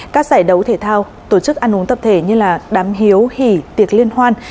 các giải đấu thể thao tổ chức ăn uống tập thể như là đám hiếu hỉ tiệc liên hoan